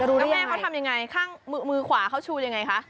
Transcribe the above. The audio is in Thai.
แล้วแม่เขาทำยังไงข้างมือขวาเขาชูยังไงคะ